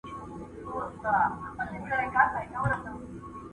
سرمايه ګزاري د اقتصاد د پياوړتيا سبب ګرځي.